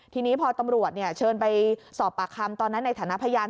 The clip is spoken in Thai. ทีนี้พอตำรวจเชิญไปสอบปากคำตอนนั้นในฐานะพยาน